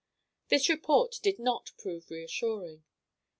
This report did not prove reassuring.